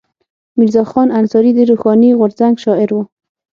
میرزا خان انصاري د روښاني غورځنګ شاعر و.